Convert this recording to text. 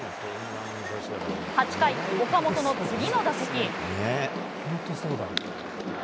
８回、岡本の次の打席。